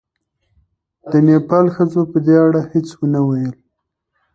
د نېپال ښځو په دې اړه هېڅ ونه ویل.